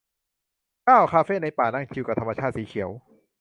เก้า คาเฟ่ในป่า นั่งชิลกับธรรมชาติสีเขียว